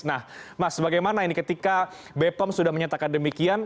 nah mas bagaimana ini ketika bepom sudah menyatakan demikian